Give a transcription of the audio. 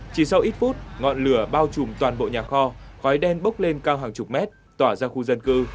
chỉ sau ít phút ngọn lửa bao trùm toàn bộ nhà kho khói đen bốc lên cao hàng chục mét tỏa ra khu dân cư